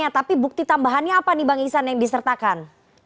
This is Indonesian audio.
tapi bukti tambahannya apa nih bang isan yang disertakan